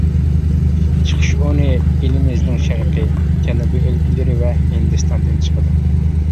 چىقىش ئورنى ئېلىمىزنىڭ شەرقىي، جەنۇبىي ئۆلكىلىرى ۋە ھىندىستاندىن چىقىدۇ.